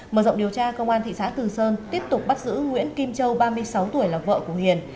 mở rộng điều tra công an thị xã từ sơn tiếp tục bắt giữ nguyễn kim châu ba mươi sáu tuổi là vợ của hiền